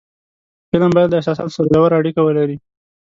فلم باید له احساساتو سره ژور اړیکه ولري